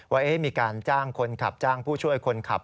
ว่ามีการจ้างคนขับจ้างผู้ช่วยคนขับ